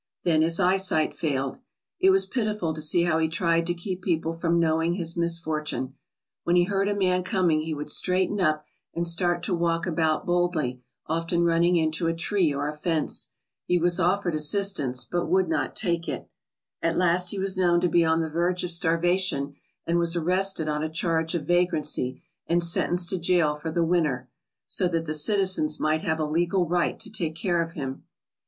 Then his eyesight failed. It was pitiful to see how he tried to keep people from knowing his misfortune. When he heard a man coming he would straighten up and start to walk about boldly, often run ning into a tree or a fence. He was offered assistance but would not take it. At last he was known to be on the verge of starvation and was arrested on a charge of va grancy and sentenced to jail for the winter, so that the citizens might have a legal right to take care of him.